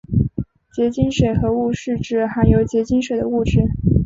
结晶水合物是指含有结晶水的物质。